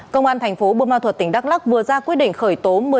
công an thành phố bô ma thuật tỉnh đắk lắc vừa ra quyết định khởi tố